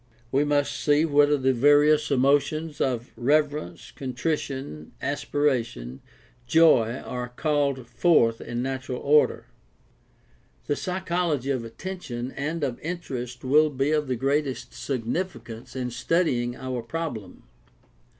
We must see whether the various emotions of reverence, contrition, aspiration, joy are called forth in natural order. The psy chology of attention and of interest will be of the greatest significance in studying our problem.